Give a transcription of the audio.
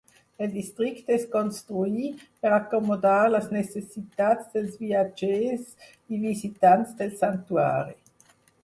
El districte es construí per acomodar les necessitats dels viatgers i visitants del santuari.